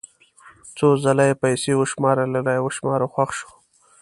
څو ځله یې پیسې وشمارلې را یې وشماره خوښ شو.